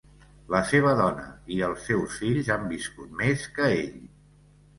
La seva dona i els seus fills han viscut més que ell.